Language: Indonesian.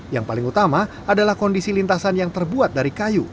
yang paling utama adalah kondisi lintasan yang terbaik